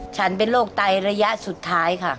ฉันเป็นโรคไตระยะสุดท้ายค่ะ